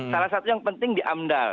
salah satu yang penting di amdal